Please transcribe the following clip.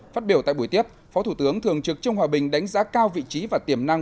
phát biểu tại buổi tiếp phó thủ tướng thường trực trương hòa bình đánh giá cao vị trí và tiềm năng